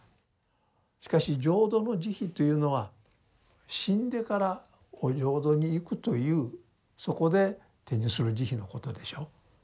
しかし浄土の慈悲というのは死んでからお浄土に行くというそこで手にする慈悲のことでしょう。